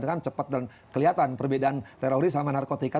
itu kan cepat dan kelihatan perbedaan teroris sama narkotika